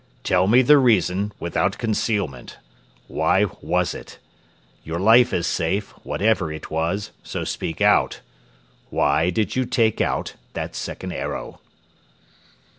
Tell me the reason without concealment. Why was it? Your life is safe, whatever it was, so speak out. Why did you take out that second arrow?"